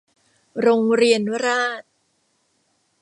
โรงเรียนราษฎร์